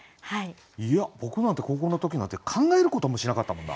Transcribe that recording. いや僕なんて高校の時なんて考えることもしなかったもんな。